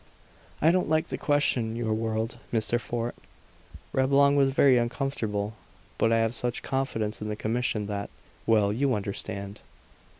"I don't like to question your word, Mr. Fort" Reblong was very uncomfortable "but I have such confidence in the commission that well, you understand."